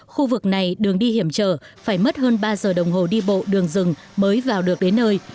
khu vực này đường đi hiểm trở phải mất hơn ba giờ đồng hồ đi bộ đường rừng mới vào được đến nơi